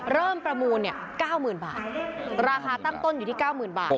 เริ่มประมูล๙หมื่นบาทราคาตั้งต้นอยู่ที่๙หมื่นบาท